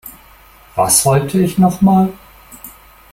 Was wollte ich noch mal?